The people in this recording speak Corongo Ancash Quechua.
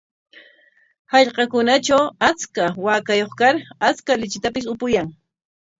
Hallqakunatraw achka waakayuq kar achka lichitapis upuyan.